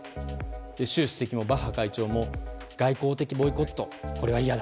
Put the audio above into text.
習主席もバッハ会長も外交的ボイコット、これは嫌だ。